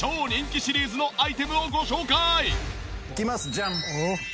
ジャン！